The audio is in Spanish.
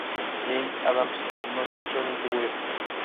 Jane Addams no se casó ni tuvo hijos.